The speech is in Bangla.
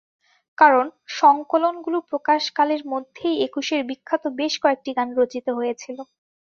কারণ, সংকলনগুলো প্রকাশকালের মধ্যেই একুশের বিখ্যাত বেশ কয়েকটি গান রচিত হয়েছিল।